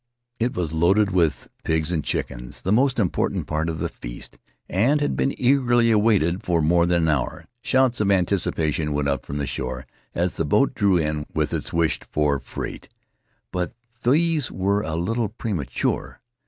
It was loaded with pigs and chickens, the most important part of the feast, and had been eagerly awaited for more than an hour. Shouts of anticipation went up from the shore as the boat drew in with its wished for freight; but these were a little premature.